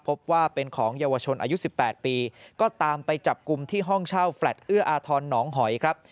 พบว่าเป็นของเยาวชนอายุ๑๘ปีก็ตามไปจับกลุ่มที่ห้องเช่าแฟลตเอื้ออาทรหนองหอยครับ